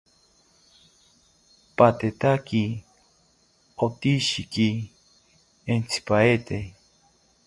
Patetaki otishiki entzipaete